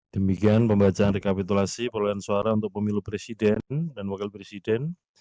demikian pembacaan rekapitulasi perolehan suara untuk pemilu presiden dan wakil presiden